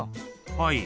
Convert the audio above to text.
はい。